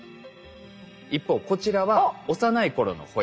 一方こちらは幼い頃のホヤ。